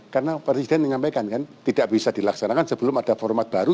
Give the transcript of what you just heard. karena presiden menyampaikan kan tidak bisa dilaksanakan sebelum ada format baru